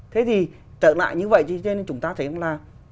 thế thì trở lại như vậy chúng ta thấy rằng là